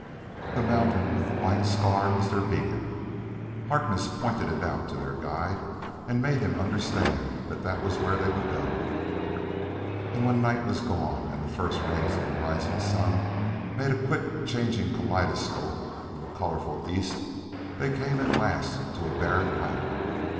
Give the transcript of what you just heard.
The mountain with the white scar was their beacon. Harkness pointed it out to their guide and made him understand that that was where they would go. And, when night was gone, and the first rays of the rising sun made a quickly changing kaleidoscope of the colorful east, they came at last to a barren height.